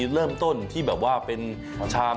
เริ่มต้นที่แบบว่าเป็นชาม